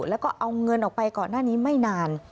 แล้วก็เอาเงินออกไปก่อนหน้านี้ไม่นาน